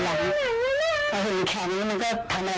แล้วแค่แล้วเขามาเหมือนตอนร้าน